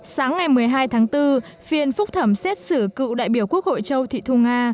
sáng ngày một mươi hai tháng bốn phiên phúc thẩm xét xử cựu đại biểu quốc hội châu thị thu nga